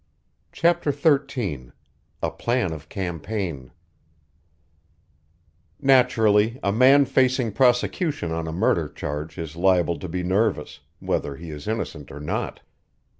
CHAPTER XIII A PLAN OF CAMPAIGN Naturally, a man facing prosecution on a murder charge is liable to be nervous, whether he is innocent or not.